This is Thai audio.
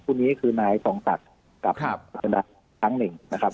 คุณนี้คือนายส่องสัตว์กับครับทั้งหนึ่งนะครับ